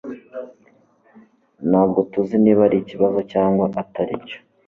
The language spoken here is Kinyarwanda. Ntabwo tuzi niba ari ikibazo cyangwa atari cyo